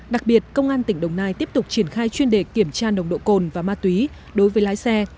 đặc biệt công an tỉnh đồng nai tiếp tục triển khai chuyên đề kiểm tra nồng độ cồn và ma túy đối với lái xe